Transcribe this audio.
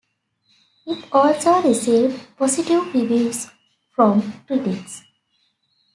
It also received positive reviews from critics.